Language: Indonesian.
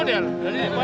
ini yang paling ya